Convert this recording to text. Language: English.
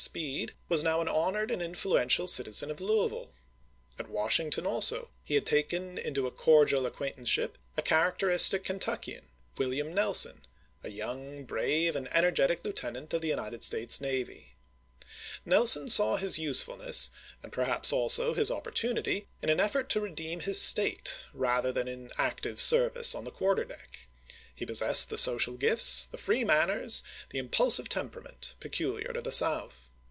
Speed, was now an honored and influential citi zen of Louisville. At Washington also he had taken into a cordial acquaintanceship a character istic Kentuckian, William Nelson, a young, brave, and energetic lieutenant of the United States navy. Nelson saw his usefulness, and perhaps also his opportunity, in an effort to redeem his State, rather than in active service on the quarter deck. He possessed the social gifts, the free manners, the impulsive temperament peculiar to the South.